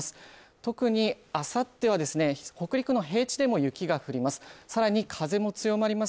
特にあさっては北陸の平地でも雪が降ります。